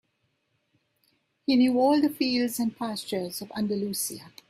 He knew all the fields and pastures of Andalusia.